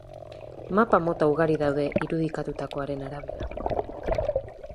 Mapa mota ugari daude irudikatutakoaren arabera.